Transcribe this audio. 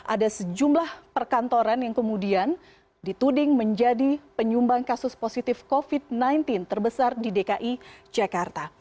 ada sejumlah perkantoran yang kemudian dituding menjadi penyumbang kasus positif covid sembilan belas terbesar di dki jakarta